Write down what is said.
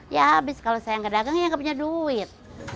ya abis kalau saya yang kedagang ya nggak punya duit